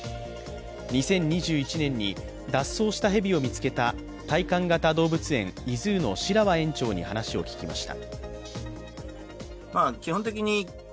２０２１年に脱走した蛇を見つけた体感型動物園ｉＺｏｏの白輪園長に話を聞きました。